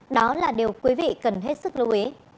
đó là điều quý vị cần hết sức lưu ý